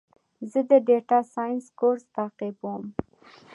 زه د ډیټا ساینس کورس تعقیبوم.